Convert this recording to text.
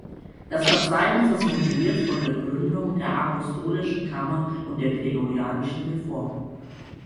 Das Verzeichnis ist motiviert von der Gründung der Apostolischen Kammer und der Gregorianischen Reform.